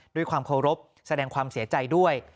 ด้วยความเคารพแสดงความเสียใจด้วย